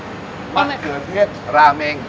ใช่ค่ะ